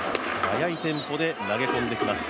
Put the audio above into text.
速いテンポで投げ込んできます。